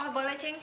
oh boleh cing